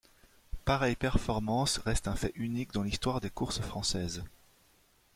Pareille performance reste un fait unique dans l'histoire des courses françaises.